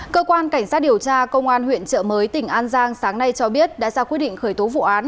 cơ quan cảnh sát điều tra công an huyện trợ mới tỉnh an giang sáng nay cho biết đã ra quyết định khởi tố vụ án